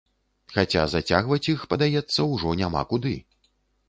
Хаця зацягваць іх, падаецца, ужо няма куды.